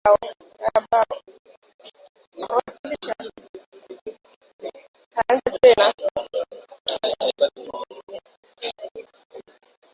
Wanawake wa maeneo ya vijiji aba yuwaki ma haki yabo